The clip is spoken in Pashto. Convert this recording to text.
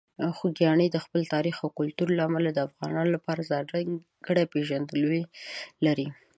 خوږیاڼي د خپل تاریخ او کلتور له امله د افغانانو لپاره ځانګړې پېژندګلوي لري.